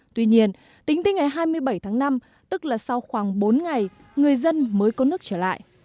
tuy nhiên tính tới ngày hai mươi bảy tháng năm tức là sau khoảng bốn ngày người dân mới có nước trở lại